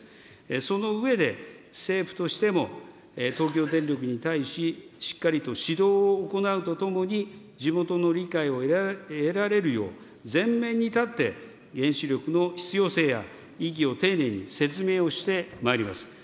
その上で、政府としても東京電力に対し、しっかりと指導を行うとともに、地元の理解を得られるよう、前面に立って、原子力の必要性や意義を丁寧に説明をしてまいります。